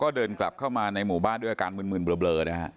ก็เดินกลับเข้ามาหมูบ้านย่ระกับบ่าย